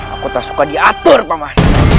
aku tidak suka diatur pak man